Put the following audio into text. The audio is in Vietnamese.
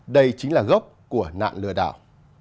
đây chính là gốc của nạn lừa đảo